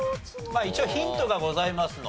一応ヒントがございますのでね